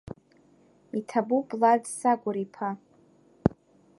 Иҭабуп, Лад Сагәыр-иԥа…